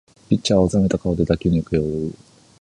ピッチャーは青ざめた顔で打球の行方を追う